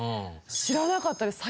知らなかったです。